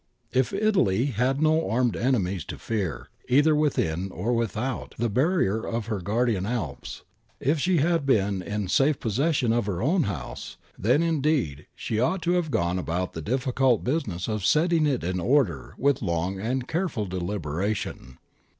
If Italy had had no armed enemies to fear either with in or without the barrier of her guardian Alps, if she had been in safe possession of her own house, then indeed she ought to have gone about the difficult business of setting it in order with long and careful deliberation.